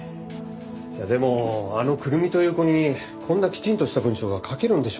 いやでもあのくるみという子にこんなきちんとした文章が書けるんでしょうか？